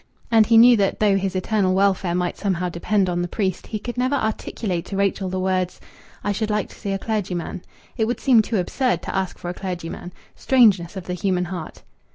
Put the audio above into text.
And he knew that, though his eternal welfare might somehow depend on the priest, he could never articulate to Rachel the words, "I should like to see a clergyman." It would seem too absurd to ask for a clergyman.... Strangeness of the human heart!